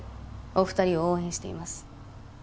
お二人を応援しています。